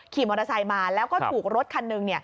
ขี่มอเตอร์ไซค์มาแล้วก็ถูกรถคันหนึ่ง